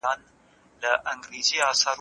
ښوونه باید د زده کوونکو د سویې مطابق وي.